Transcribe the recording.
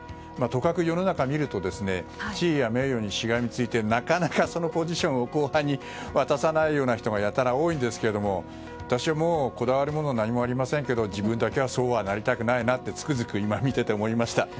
とかく世の中を見ると地位や名誉にしがみついて、なかなかそのポジションを後輩に渡さないような人がやたら多いんですけど私もうこだわるものは何もありませんけど自分だけはそうはなりたくないなとつくづく今、見ていて思いました。